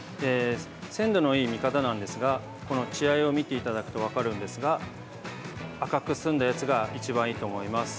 鮮度のいい見方なんですがこの血合いを見ていただくと分かるんですが赤く澄んだやつが一番いいと思います。